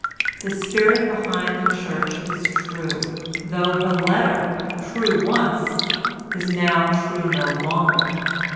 The spirit behind the Church is true, though her letter—true once—is now true no longer.